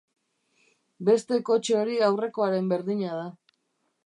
Beste kotxe hori aurrekoaren berdina da.